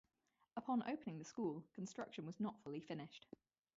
Upon opening the school construction was not fully finished.